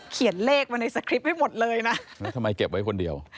เขียนเลขมาในสคริปต์ให้หมดเลยนะแล้วทำไมเก็บไว้คนเดียว